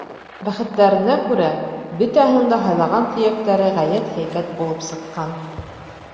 Бәхеттәренә күрә, бөтәһенең дә һайлаған төйәктәре ғәйәт һәйбәт булып сыҡҡан.